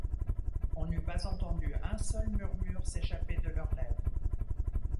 On n’eût pas entendu un seul murmure s’échapper de leurs lèvres.